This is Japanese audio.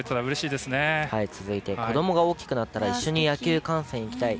続いて子どもが大きくなったら一緒に野球観戦行きたい。